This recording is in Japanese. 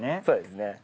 そうですね。